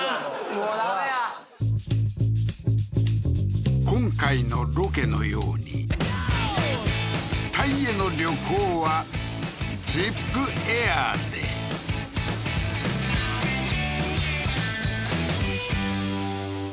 もうダメや今回のロケのようにタイへの旅行はＺＩＰＡＩＲでバスケ